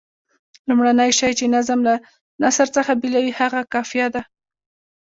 لومړنی شی چې نظم له نثر څخه بېلوي هغه قافیه ده.